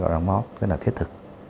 đóng góp rất là thiết thực